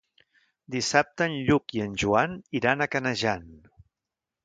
Dissabte en Lluc i en Joan iran a Canejan.